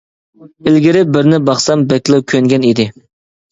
ئىلگىرى بىرنى باقسام بەكلا كۆنگەن ئىدى.